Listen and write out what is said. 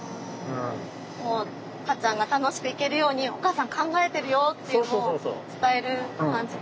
もうかっちゃんが楽しく行けるように「お母さん考えてるよ」っていうのを伝える感じで。